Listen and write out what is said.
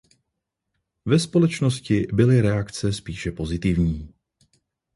Ve společnosti byly reakce spíše pozitivní.